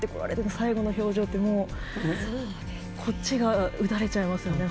最後の表情ってもうこっちが打たれちゃいましたね。